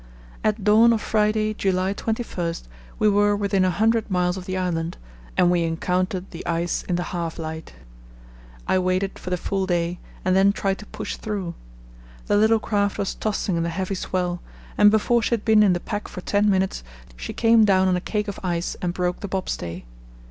At dawn of Friday, July 21, we were within a hundred miles of the island, and we encountered the ice in the half light. I waited for the full day and then tried to push through. The little craft was tossing in the heavy swell, and before she had been in the pack for ten minutes she came down on a cake of ice and broke the bobstay.